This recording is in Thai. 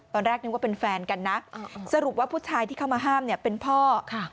ตอนแรกนึกว่าเป็นแฟนกันนะสรุปว่าผู้ชายที่เข้ามาห้ามเนี่ยเป็นพ่อค่ะ